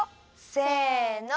せの！